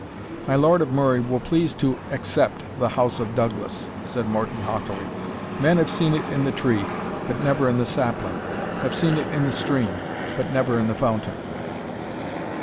"My Lord of Murray will please to except the house of Douglas," said Morton, haughtily; "men have seen it in the tree, but never in the sapling have seen it in the stream, but never in the fountain.